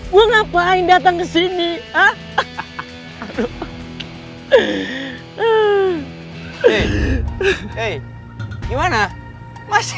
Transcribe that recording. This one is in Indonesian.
kenapa tahu belimbing asap